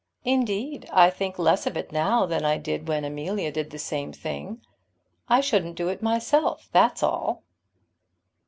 Indeed I think less of it now than I did when Amelia did the same thing. I shouldn't do it myself, that's all."